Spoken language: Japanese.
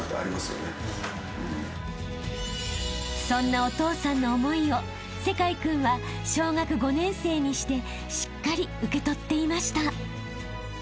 ［そんなお父さんの思いを聖魁君は小学５年生にしてしっかり受け取っていました］